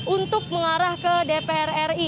untuk mengarah ke dpr ri